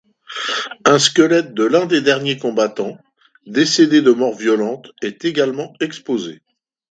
Un squelette de l’un des derniers combattants, décédé de mort violente, est également exposé.